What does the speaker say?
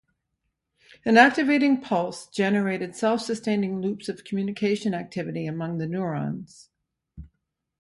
An activating pulse generated self-sustaining loops of communication activity among the neurons.